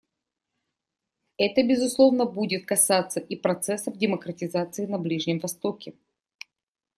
Это, безусловно, будет касаться и процессов демократизации на Ближнем Востоке.